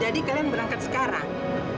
jadi kalian berangkat sekarang